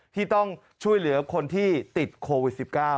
ที่ต้องช่วยเหลือคนที่ติดโควิด๑๙